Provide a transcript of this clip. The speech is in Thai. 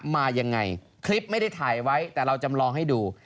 มายังไงคลิปไม่ได้ถ่ายไว้แต่เราจำลองให้ดู